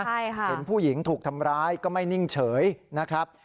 ใช่ค่ะเห็นผู้หญิงถูกทำร้ายก็ไม่นิ่งเฉยนะครับ